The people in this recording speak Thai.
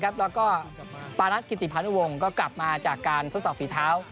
และก็ปารัสคิติภัณฑ์อุโวงก็กลับมาจากการทดสอบฝีเท้า